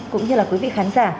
cũng như là quý vị khán giả